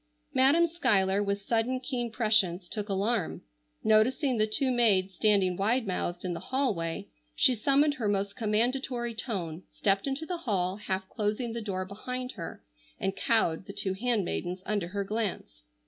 Madam Schuyler, with sudden keen prescience, took alarm. Noticing the two maids standing wide mouthed in the hallway, she summoned her most commandatory tone, stepped into the hall, half closing the door behind her, and cowed the two handmaidens under her glance.